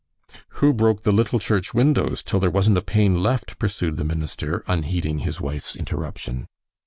"Who broke the Little Church windows till there wasn't a pane left?" pursued the minister, unheeding his wife's interruption.